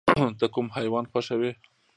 ته کوم حیوان خوښوې؟